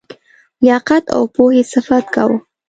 لیاقت او پوهي صفت کاوه.